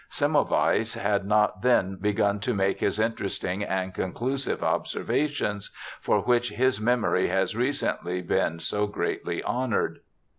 Semmelweis had not then begun to make his interesting and conclusive obser vations, for which his memory has recently been so greatly honoured.